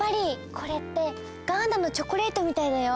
これってガーナのチョコレートみたいだよ。